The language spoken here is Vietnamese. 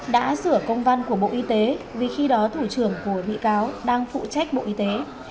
đã sửa công văn của bộ y tế vì khi đó thủ trưởng của bị cáo đang phụ trách bộ y tế